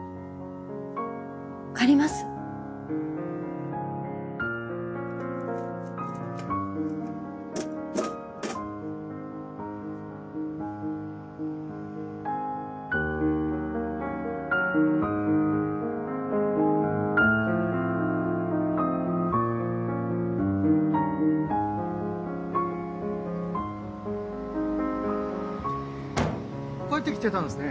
借ります帰ってきてたんですね。